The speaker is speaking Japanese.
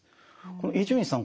伊集院さん